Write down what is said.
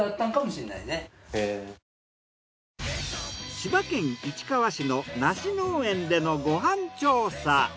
千葉県市川市の梨農園でのご飯調査。